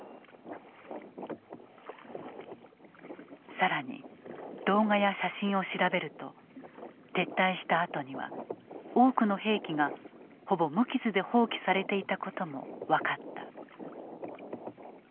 更に動画や写真を調べると撤退したあとには多くの兵器がほぼ無傷で放棄されていたことも分かった。